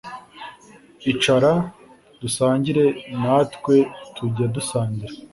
Icara dusangire natwetujya dusangira